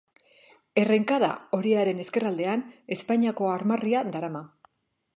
Errenkada horiaren ezkerraldean Espainiako armarria darama.